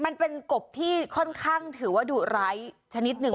มันเป็นกบที่ค่อนข้างถือว่าดุร้ายชนิดหนึ่ง